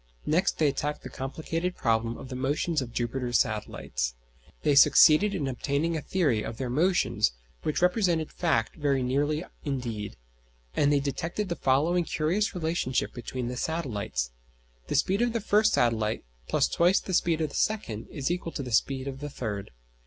Next they attacked the complicated problem of the motions of Jupiter's satellites. They succeeded in obtaining a theory of their motions which represented fact very nearly indeed, and they detected the following curious relationship between the satellites: The speed of the first satellite + twice the speed of the second is equal to the speed of the third.